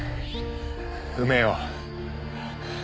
埋めよう。